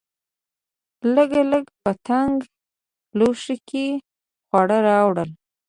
لګلګ په تنګ لوښي کې خواړه راوړل.